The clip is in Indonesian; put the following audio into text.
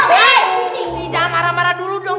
tidak marah marah dulu dong